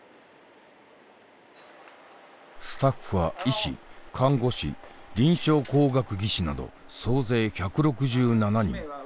スタッフは医師看護師臨床工学技士など総勢１６７人。